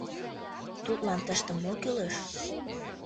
Тудлан тыште мо кӱлеш.?